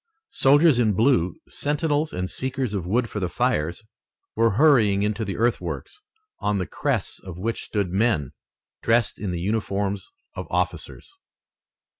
Soldiers in blue, sentinels and seekers of wood for the fires, were hurrying into the earthworks, on the crests of which stood men, dressed in the uniforms of officers.